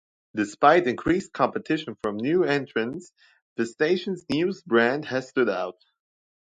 Despite increased competition from new entrants, the station's news brand has stood out.